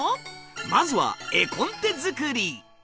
まずは絵コンテ作り。